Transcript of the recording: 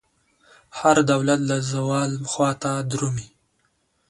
هر دولت د زوال خواته درومي.